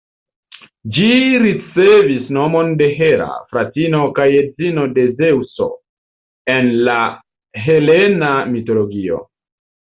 Ĝi ricevis nomon de Hera, fratino kaj edzino de Zeŭso en la helena mitologio.